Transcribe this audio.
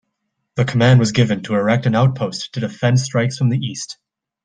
The command was given to erect an outpost to defend strikes from the east.